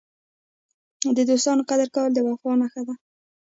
د دوستانو قدر کول د وفا نښه ده.